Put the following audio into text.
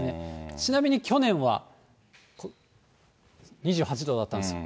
ちなみに去年は２８度だったんですよ。